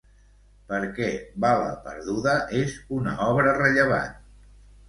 Per què Bala perduda és una obra rellevant?